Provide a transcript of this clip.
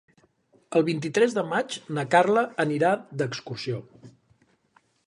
El vint-i-tres de maig na Carla anirà d'excursió.